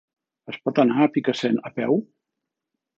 Es pot anar a Picassent a peu?